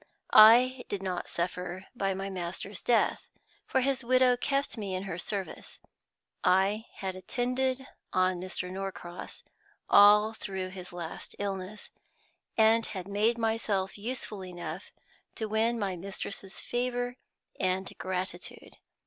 I did not suffer by my master's death, for his widow kept me in her service. I had attended on Mr. Norcross all through his last illness, and had made myself useful enough to win my mistress's favor and gratitude.